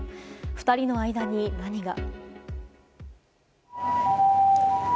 ２人の間に何が。